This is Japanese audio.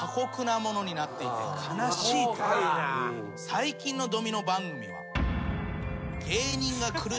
最近のドミノ番組は。